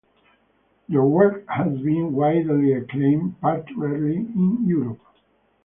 Their work has been widely acclaimed, particularly in Europe.